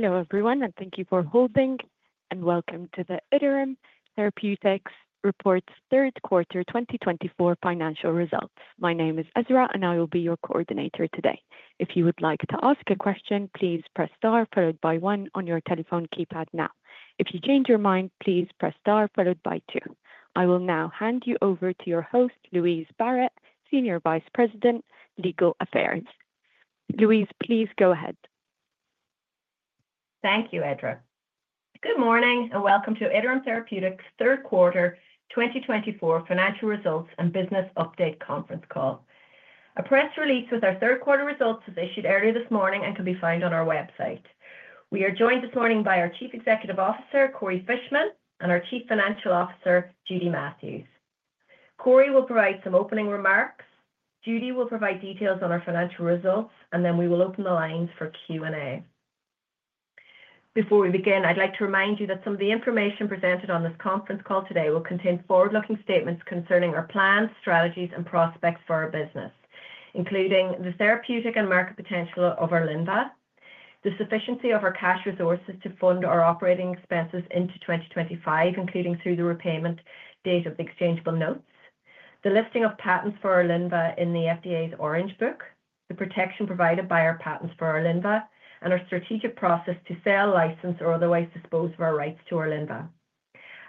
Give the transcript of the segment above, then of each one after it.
Hello, everyone, and thank you for holding. Welcome to the Iterum Therapeutics' third quarter 2024 financial results. My name is Ezra, and I will be your coordinator today. If you would like to ask a question, please press star followed by one on your telephone keypad now. If you change your mind, please press star followed by two. I will now hand you over to your host, Louise Barrett, Senior Vice President, Legal Affairs. Louise, please go ahead. Thank you, Ezra. Good morning and welcome to Iterum Therapeutics' third quarter 2024 financial results and business update conference call. A press release with our third quarter results was issued earlier this morning and can be found on our website. We are joined this morning by our Chief Executive Officer, Corey Fishman, and our Chief Financial Officer, Judy Matthews. Corey will provide some opening remarks. Judy will provide details on our financial results, and then we will open the lines for Q&A. Before we begin, I'd like to remind you that some of the information presented on this conference call today will contain forward-looking statements concerning our plans, strategies, and prospects for our business, including the therapeutic and market potential of Orlynvah, the sufficiency of our cash resources to fund our operating expenses into 2025, including through the repayment date of the exchangeable notes, the listing of patents for Orlynvah in the FDA's Orange Book, the protection provided by our patents for Orlynvah, and our strategic process to sell, license, or otherwise dispose of our rights to Orlynvah.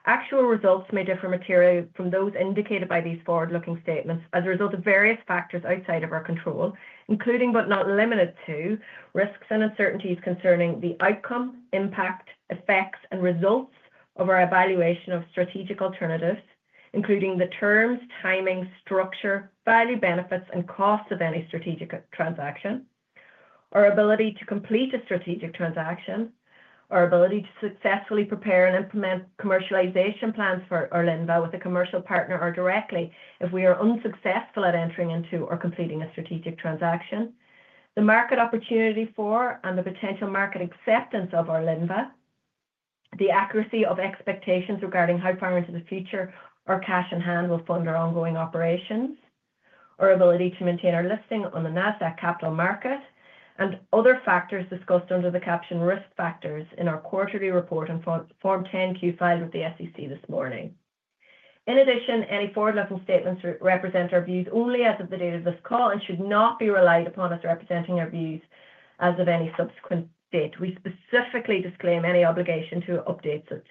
Actual results may differ materially from those indicated by these forward-looking statements as a result of various factors outside of our control, including but not limited to risks and uncertainties concerning the outcome, impact, effects, and results of our evaluation of strategic alternatives, including the terms, timing, structure, value, benefits, and costs of any strategic transaction, our ability to complete a strategic transaction, our ability to successfully prepare and implement commercialization plans for Orlynvah with a commercial partner or directly if we are unsuccessful at entering into or completing a strategic transaction, the market opportunity for and the potential market acceptance of Orlynvah, the accuracy of expectations regarding how far into the future our cash in hand will fund our ongoing operations, our ability to maintain our listing on the Nasdaq Capital Market, and other factors discussed under the caption risk factors in our quarterly report and Form 10-Q filed with the SEC this morning. In addition, any forward-looking statements represent our views only as of the date of this call and should not be relied upon as representing our views as of any subsequent date. We specifically disclaim any obligation to update such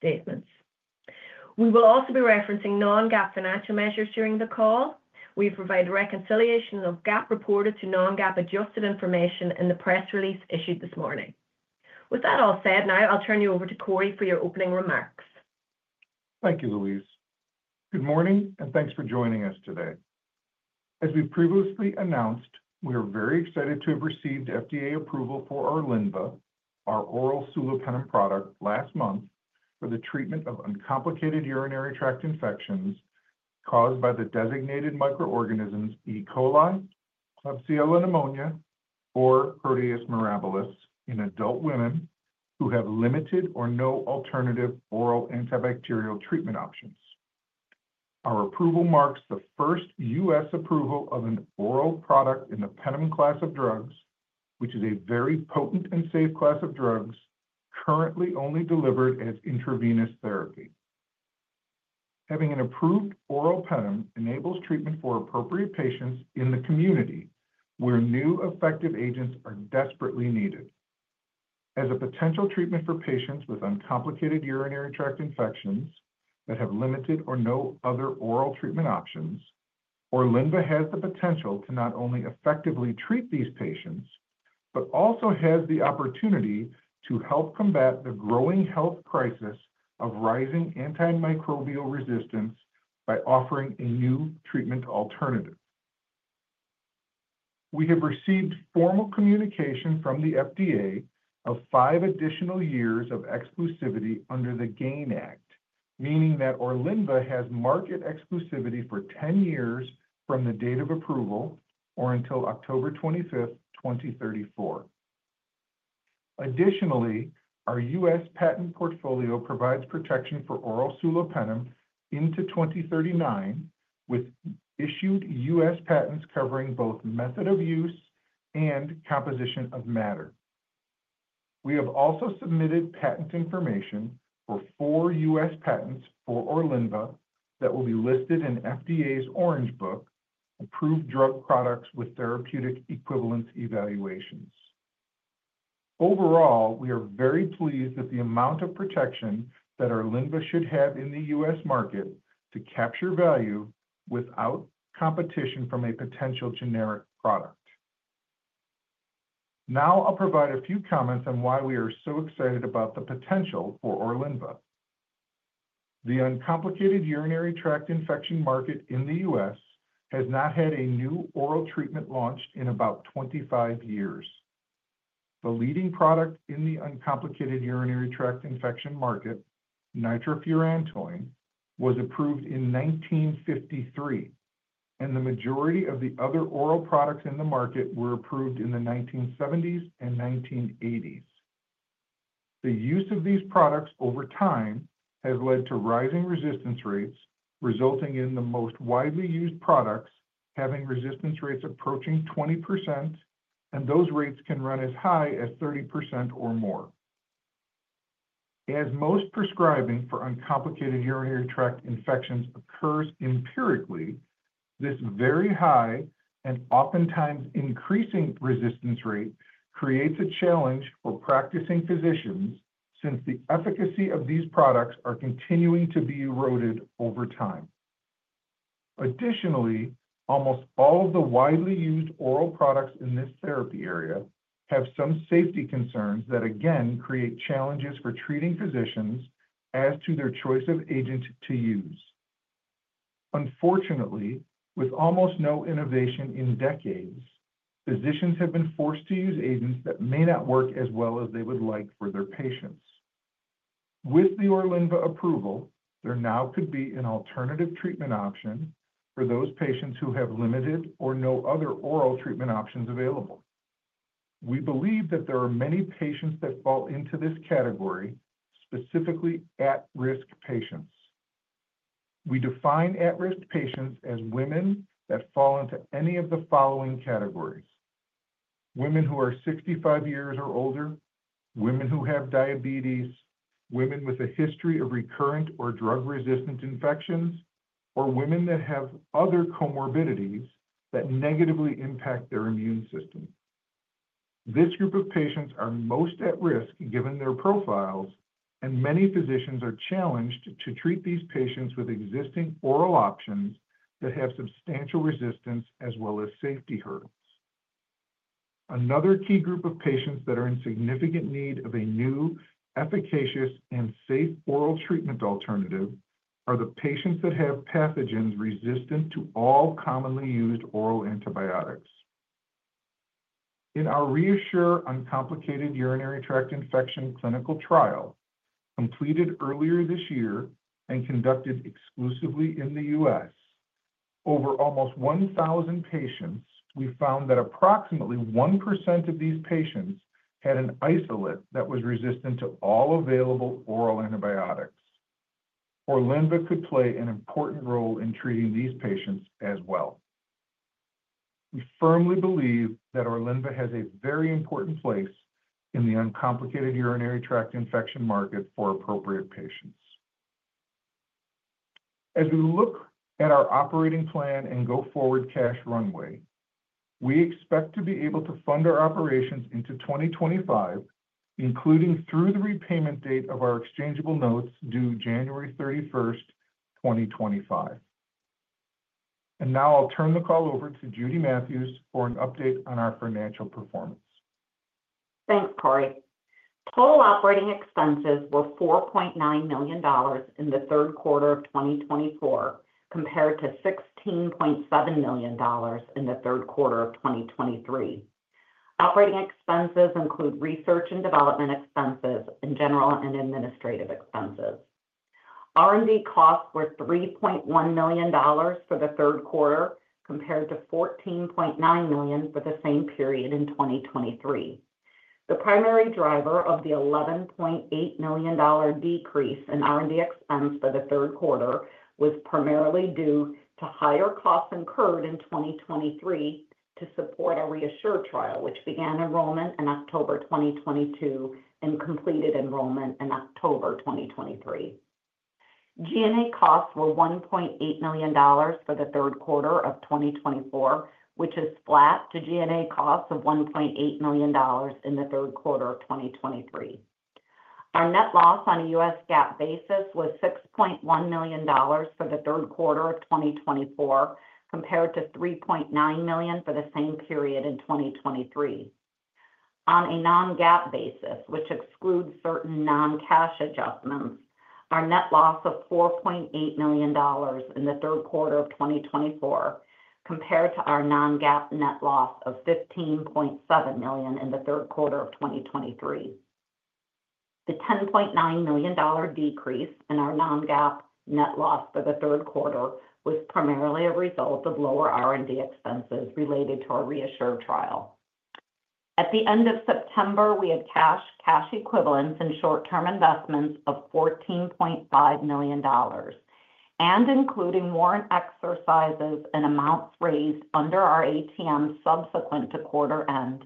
statements. We will also be referencing non-GAAP financial measures during the call. We provide a reconciliation of GAAP reported to non-GAAP adjusted information in the press release issued this morning. With that all said, now I'll turn you over to Corey for your opening remarks. Thank you, Louise. Good morning and thanks for joining us today. As we've previously announced, we are very excited to have received FDA approval for Orlynvah, our oral sulopenem product, last month for the treatment of uncomplicated urinary tract infections caused by the designated microorganisms E. coli, Klebsiella pneumoniae, or Proteus mirabilis in adult women who have limited or no alternative oral antibacterial treatment options. Our approval marks the first U.S. approval of an oral product in the penem class of drugs, which is a very potent and safe class of drugs currently only delivered as intravenous therapy. Having an approved oral penem enables treatment for appropriate patients in the community where new effective agents are desperately needed. As a potential treatment for patients with uncomplicated urinary tract infections that have limited or no other oral treatment options, Orlynvah has the potential to not only effectively treat these patients but also has the opportunity to help combat the growing health crisis of rising antimicrobial resistance by offering a new treatment alternative. We have received formal communication from the FDA of five additional years of exclusivity under the GAIN Act, meaning that Orlynvah has market exclusivity for 10 years from the date of approval or until October 25th, 2034. Additionally, our U.S. patent portfolio provides protection for oral sulopenem into 2039 with issued U.S. patents covering both method of use and composition of matter. We have also submitted patent information for four U.S. patents for Orlynvah that will be listed in FDA's Orange Book, Approved Drug Products with Therapeutic Equivalence Evaluations. Overall, we are very pleased with the amount of protection that Orlynvah should have in the U.S. market to capture value without competition from a potential generic product. Now I'll provide a few comments on why we are so excited about the potential for Orlynvah. The uncomplicated urinary tract infection market in the U.S. has not had a new oral treatment launched in about 25 years. The leading product in the uncomplicated urinary tract infection market, nitrofurantoin, was approved in 1953, and the majority of the other oral products in the market were approved in the 1970s and 1980s. The use of these products over time has led to rising resistance rates, resulting in the most widely used products having resistance rates approaching 20%, and those rates can run as high as 30% or more. As most prescribing for uncomplicated urinary tract infections occurs empirically, this very high and oftentimes increasing resistance rate creates a challenge for practicing physicians since the efficacy of these products is continuing to be eroded over time. Additionally, almost all of the widely used oral products in this therapy area have some safety concerns that, again, create challenges for treating physicians as to their choice of agent to use. Unfortunately, with almost no innovation in decades, physicians have been forced to use agents that may not work as well as they would like for their patients. With the Orlynvah approval, there now could be an alternative treatment option for those patients who have limited or no other oral treatment options available. We believe that there are many patients that fall into this category, specifically at-risk patients. We define at-risk patients as women that fall into any of the following categories: women who are 65 years or older, women who have diabetes, women with a history of recurrent or drug-resistant infections, or women that have other comorbidities that negatively impact their immune system. This group of patients are most at risk given their profiles, and many physicians are challenged to treat these patients with existing oral options that have substantial resistance as well as safety hurdles. Another key group of patients that are in significant need of a new, efficacious, and safe oral treatment alternative are the patients that have pathogens resistant to all commonly used oral antibiotics. In our REASSURE Uncomplicated Urinary Tract Infection clinical trial, completed earlier this year and conducted exclusively in the U.S., over almost 1,000 patients, we found that approximately 1% of these patients had an isolate that was resistant to all available oral antibiotics. Orlynvah could play an important role in treating these patients as well. We firmly believe that Orlynvah has a very important place in the uncomplicated urinary tract infection market for appropriate patients. As we look at our operating plan and go forward cash runway, we expect to be able to fund our operations into 2025, including through the repayment date of our exchangeable notes due January 31, 2025. And now I'll turn the call over to Judy Matthews for an update on our financial performance. Thanks, Corey. Total operating expenses were $4.9 million in the third quarter of 2024 compared to $16.7 million in the third quarter of 2023. Operating expenses include research and development expenses and general and administrative expenses. R&D costs were $3.1 million for the third quarter compared to $14.9 million for the same period in 2023. The primary driver of the $11.8 million decrease in R&D expense for the third quarter was primarily due to higher costs incurred in 2023 to support the REASSURE trial, which began enrollment in October 2022 and completed enrollment in October 2023. G&A costs were $1.8 million for the third quarter of 2024, which is flat to G&A costs of $1.8 million in the third quarter of 2023. Our net loss on a U.S. GAAP basis was $6.1 million for the third quarter of 2024 compared to $3.9 million for the same period in 2023. On a non-GAAP basis, which excludes certain non-cash adjustments, our net loss was $4.8 million in the third quarter of 2024 compared to our non-GAAP net loss of $15.7 million in the third quarter of 2023. The $10.9 million decrease in our non-GAAP net loss for the third quarter was primarily a result of lower R&D expenses related to our REASSURE trial. At the end of September, we had cash equivalents and short-term investments of $14.5 million, and including warrant exercises and amounts raised under our ATM subsequent to quarter end,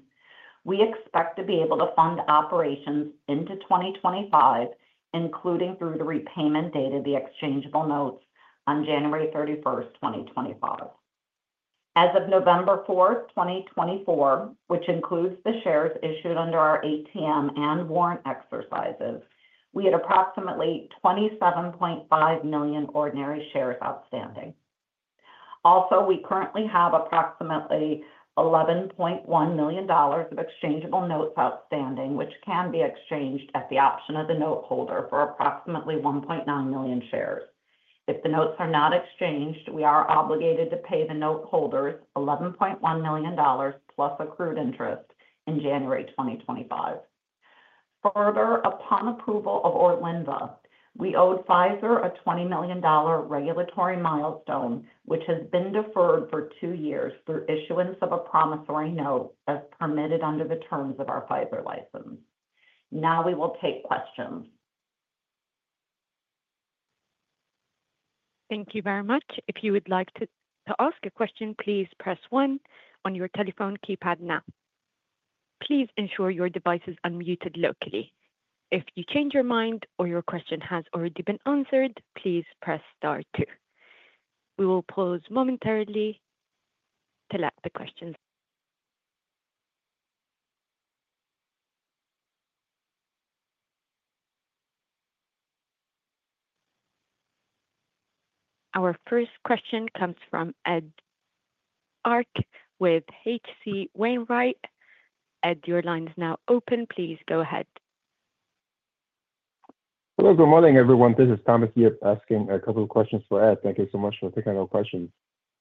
we expect to be able to fund operations into 2025, including through the repayment date of the exchangeable notes on January 31st, 2025. As of November 4th, 2024, which includes the shares issued under our ATM and warrant exercises, we had approximately 27.5 million ordinary shares outstanding. Also, we currently have approximately $11.1 million of exchangeable notes outstanding, which can be exchanged at the option of the noteholder for approximately 1.9 million shares. If the notes are not exchanged, we are obligated to pay the noteholders $11.1 million plus accrued interest in January 2025. Further, upon approval of Orlynvah, we owed Pfizer a $20 million regulatory milestone, which has been deferred for two years through issuance of a promissory note as permitted under the terms of our Pfizer license. Now we will take questions. Thank you very much. If you would like to ask a question, please press one on your telephone keypad now. Please ensure your device is unmuted locally. If you change your mind or your question has already been answered, please press star two. We will pause momentarily to let the questions. Our first question comes from Ed Arce with H.C. Wainwright. Ed, your line is now open. Please go ahead. Hello, good morning, everyone. This is Thomas Yip asking a couple of questions for Ed. Thank you so much for taking our questions.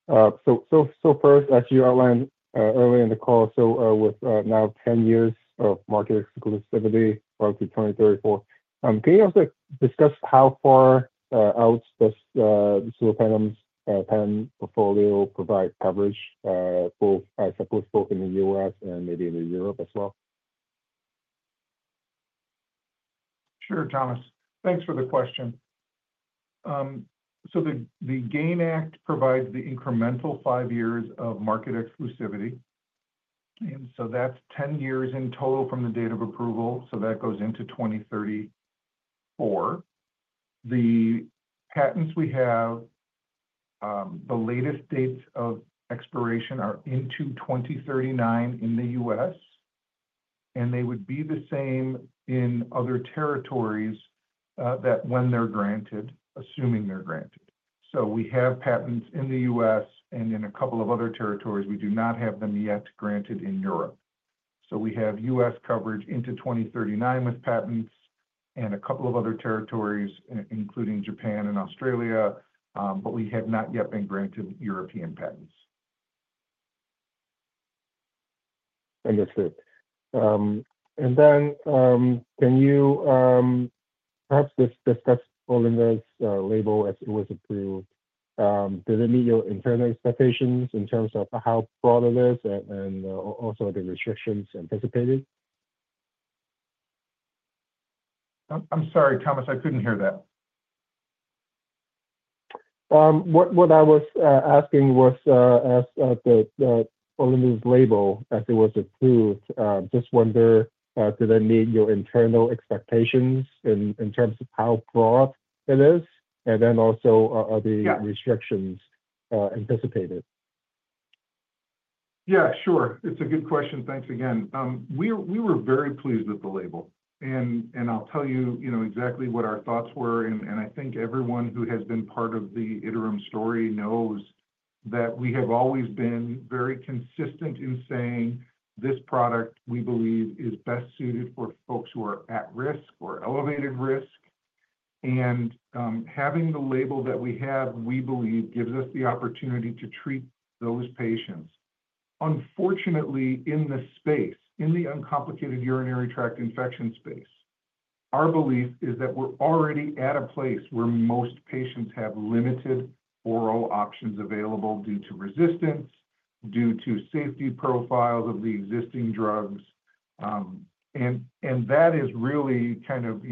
So first, as you outlined earlier in the call, so with now 10 years of market exclusivity up to 2034, can you also discuss how far out does the sulopenem portfolio provide coverage both, I suppose, both in the U.S. and maybe in Europe as well? Sure, Thomas. Thanks for the question. So the GAIN Act provides the incremental five years of market exclusivity. And so that's 10 years in total from the date of approval. So that goes into 2034. The patents we have, the latest dates of expiration are into 2039 in the U.S., and they would be the same in other territories that when they're granted, assuming they're granted. So we have patents in the U.S. and in a couple of other territories. We do not have them yet granted in Europe. So we have U.S. coverage into 2039 with patents and a couple of other territories, including Japan and Australia, but we have not yet been granted European patents. Understood. And then can you perhaps discuss Orlynvah's label as it was approved? Does it meet your internal expectations in terms of how broad it is and also the restrictions anticipated? I'm sorry, Thomas. I couldn't hear that. What I was asking was, as the Orlynvah's label as it was approved, just wonder does it meet your internal expectations in terms of how broad it is? And then also, are the restrictions anticipated? Yeah, sure. It's a good question. Thanks again. We were very pleased with the label, and I'll tell you exactly what our thoughts were, and I think everyone who has been part of the Iterum story knows that we have always been very consistent in saying this product, we believe, is best suited for folks who are at risk or elevated risk, and having the label that we have, we believe, gives us the opportunity to treat those patients. Unfortunately, in the space, in the uncomplicated urinary tract infection space, our belief is that we're already at a place where most patients have limited oral options available due to resistance, due to safety profiles of the existing drugs, and that is really kind of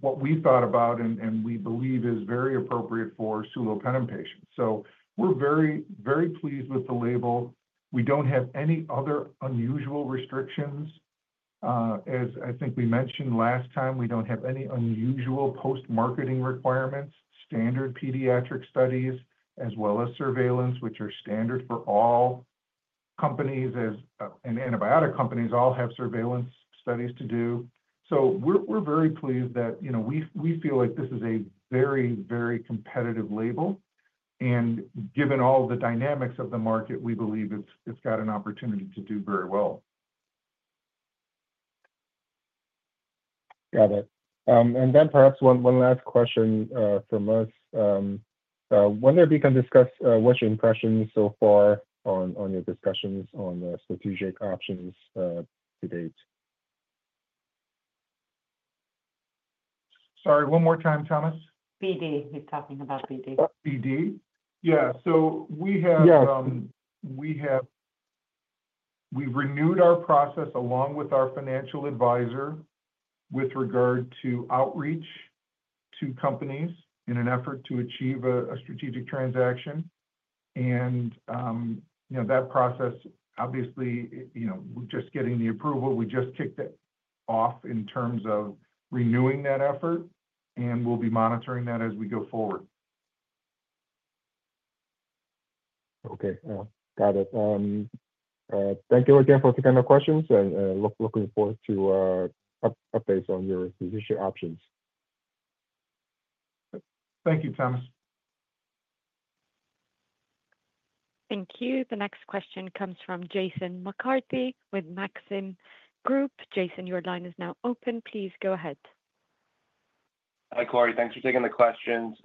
what we thought about and we believe is very appropriate for sulopenem patients. So we're very, very pleased with the label. We don't have any other unusual restrictions. As I think we mentioned last time, we don't have any unusual post-marketing requirements, standard pediatric studies, as well as surveillance, which are standard for all companies and antibiotic companies all have surveillance studies to do. So we're very pleased that we feel like this is a very, very competitive label. And given all the dynamics of the market, we believe it's got an opportunity to do very well. Got it. And then perhaps one last question from us. Wonder if we can discuss what's your impressions so far on your discussions on strategic options to date? Sorry, one more time, Thomas. BD. He's talking about BD. BD? Yeah. So we've renewed our process along with our financial advisor with regard to outreach to companies in an effort to achieve a strategic transaction. And that process, obviously, we're just getting the approval. We just kicked it off in terms of renewing that effort, and we'll be monitoring that as we go forward. Okay. Got it. Thank you again for taking our questions and looking forward to updates on your strategic options. Thank you, Thomas. Thank you. The next question comes from Jason McCarthy with Maxim Group. Jason, your line is now open. Please go ahead. Hi, Corey. Thanks for taking the questions.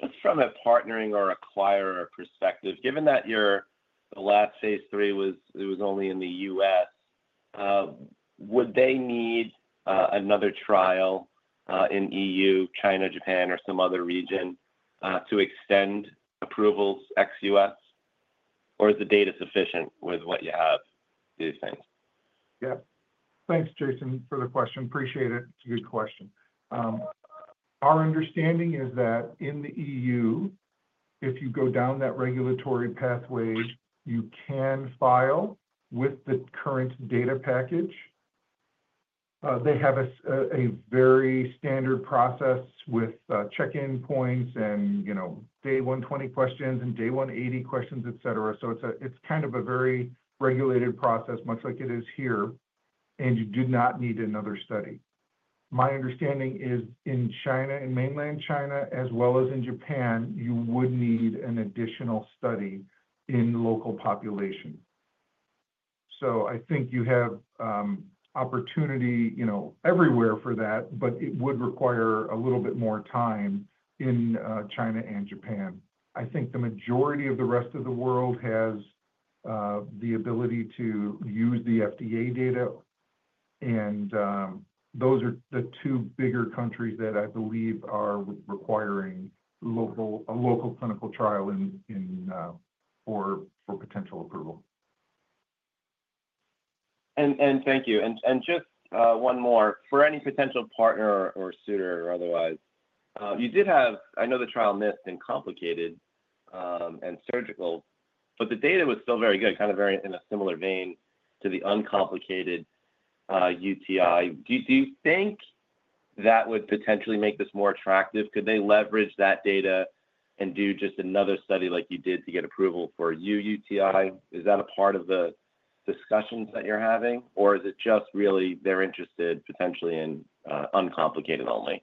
Just from a partnering or acquirer perspective, given that your last phase III was only in the U.S., would they need another trial in EU, China, Japan, or some other region to extend approvals ex U.S.? Or is the data sufficient with what you have these days? Yeah. Thanks, Jason, for the question. Appreciate it. It's a good question. Our understanding is that in the EU, if you go down that regulatory pathway, you can file with the current data package. They have a very standard process with check-in points and day 120 questions and day 180 questions, etc. So it's kind of a very regulated process, much like it is here, and you do not need another study. My understanding is in China, in mainland China, as well as in Japan, you would need an additional study in local population. So I think you have opportunity everywhere for that, but it would require a little bit more time in China and Japan. I think the majority of the rest of the world has the ability to use the FDA data. Those are the two bigger countries that I believe are requiring a local clinical trial for potential approval. And thank you. And just one more. For any potential partner or suitor or otherwise, you did have, I know the trial missed and complicated and surgical, but the data was still very good, kind of in a similar vein to the uncomplicated UTI. Do you think that would potentially make this more attractive? Could they leverage that data and do just another study like you did to get approval for uUTI? Is that a part of the discussions that you're having? Or is it just really they're interested potentially in uncomplicated only?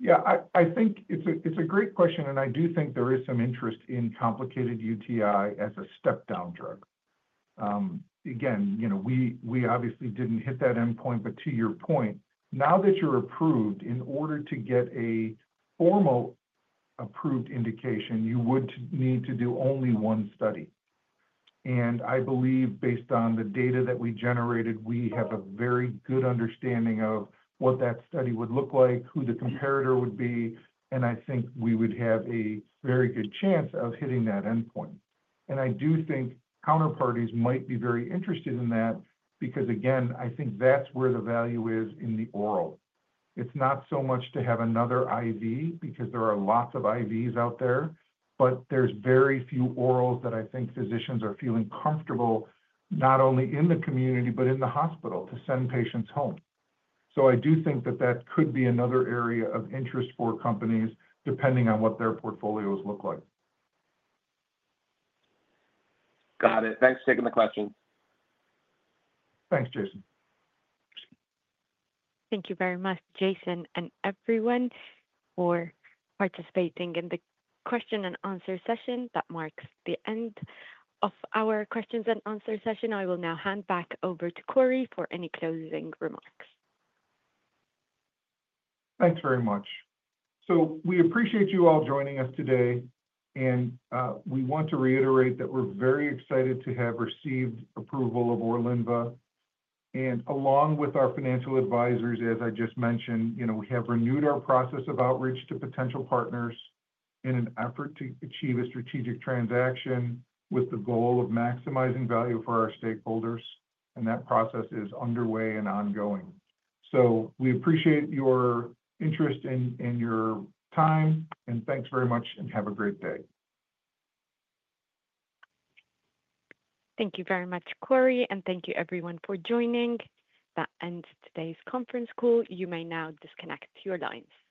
Yeah, I think it's a great question. And I do think there is some interest in complicated UTI as a step-down drug. Again, we obviously didn't hit that endpoint, but to your point, now that you're approved, in order to get a formal approved indication, you would need to do only one study. And I believe, based on the data that we generated, we have a very good understanding of what that study would look like, who the comparator would be. And I think we would have a very good chance of hitting that endpoint. And I do think counterparties might be very interested in that because, again, I think that's where the value is in the oral. It's not so much to have another IV because there are lots of IVs out there, but there's very few orals that I think physicians are feeling comfortable not only in the community, but in the hospital to send patients home. So I do think that that could be another area of interest for companies depending on what their portfolios look like. Got it. Thanks for taking the question. Thanks, Jason. Thank you very much, Jason, and everyone for participating in the question and answer session. That marks the end of our question and answer session. I will now hand back over to Corey for any closing remarks. Thanks very much. So we appreciate you all joining us today. And we want to reiterate that we're very excited to have received approval of Orlynvah. And along with our financial advisors, as I just mentioned, we have renewed our process of outreach to potential partners in an effort to achieve a strategic transaction with the goal of maximizing value for our stakeholders. And that process is underway and ongoing. So we appreciate your interest and your time. And thanks very much, and have a great day. Thank you very much, Corey, and thank you, everyone, for joining. That ends today's conference call. You may now disconnect your lines.